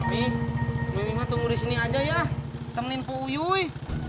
imi mimima tunggu di sini aja ya temenin pouyuy